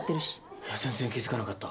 いや全然気付かなかった。